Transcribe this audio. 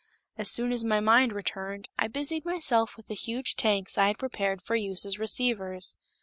As soon as my mind returned, I busied myself with the huge tanks I had prepared for use as receivers.